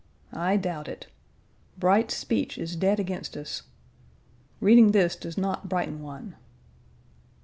I doubt it. Bright's speech1 is dead against us. Reading this does not brighten one.